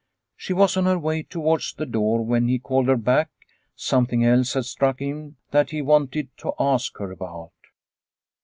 She was on her way towards the door when he called her back. Something else had struck him that he wanted to ask her about.